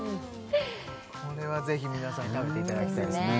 これはぜひ皆さんに食べていただきたいですね